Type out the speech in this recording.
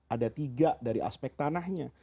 ada tiga dari aspek tanahnya